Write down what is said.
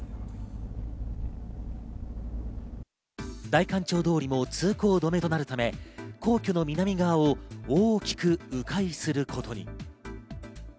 代官町通りも通行止めとなるため、皇居の南側を大きく迂回することに。